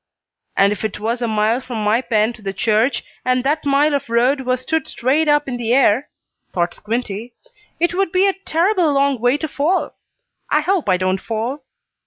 "And if it was a mile from my pen to the church, and that mile of road was stood straight up in the air," thought Squinty, "it would be a terrible long way to fall. I hope I don't fall."